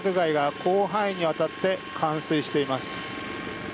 住宅街が広範囲にわたって冠水しています。